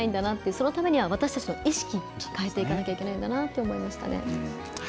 そのためには、私たちの意識変えていかなきゃいけないんだなって思いましたね。